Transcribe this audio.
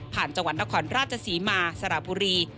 ผ่านจังหวันละครราชศรีมาร์สระบุรี